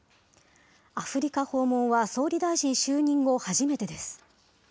アフリカ訪問は総理大臣就任後、初めてです。